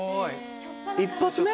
１発目？